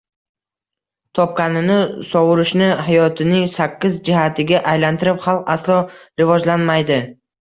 Topkanini sovurishni hayotining shaksiz jihatiga aylantirib xalq aslo rivojlanmaydi.